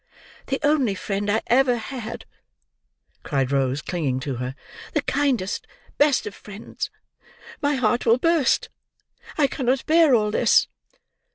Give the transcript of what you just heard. "The only friend I ever had," cried Rose, clinging to her. "The kindest, best of friends. My heart will burst. I cannot bear all this."